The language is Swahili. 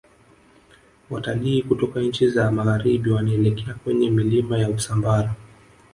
Watilii kutoka nchi za magharibi wanaelekea kwenye milima ya usambara